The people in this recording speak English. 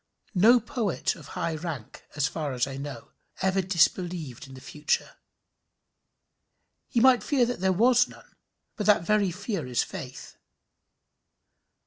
No poet of high rank, as far as I know, ever disbelieved in the future. He might fear that there was none; but that very fear is faith.